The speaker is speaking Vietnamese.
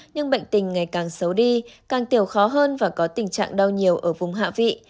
nhưng bệnh tình ngày càng xấu đi càng tiểu khó hơn và có tình trạng đau nhiều ở vùng hạ vị